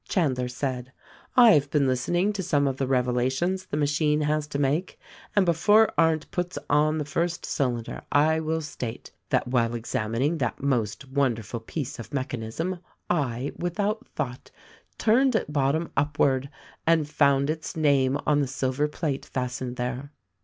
Chandler said: "I have been listening to some of the rev elations the machine has to make, and before Arndt puts on THE RECORDING ANGEL 275 the first cylinder I will state that while examining that most wonderful piece of mechanism I, without thought, turned it bottom upward and found its name on the silver plate fast ened there."